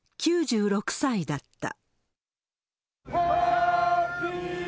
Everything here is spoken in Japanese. ９６歳だった。